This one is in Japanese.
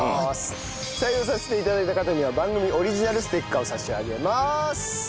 採用させて頂いた方には番組オリジナルステッカーを差し上げます。